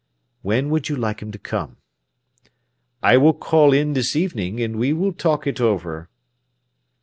"When would you like him to come?" "I will call in this evening, and we will talk it over."